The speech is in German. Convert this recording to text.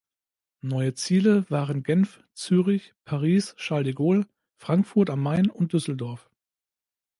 Neue Ziele waren Genf, Zürich, Paris-Charles de Gaulle, Frankfurt am Main und Düsseldorf.